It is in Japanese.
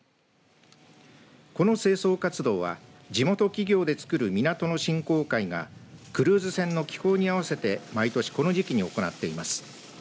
この清掃活動は地元企業でつくる港の振興会がクルーズ船の寄港に合わせて毎年この時期に行っています。